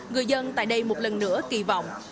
người dân tại đây một lần nữa kỳ vọng